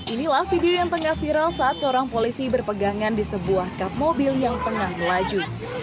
inilah video yang tengah viral saat seorang polisi berpegangan di sebuah kap mobil yang tengah melaju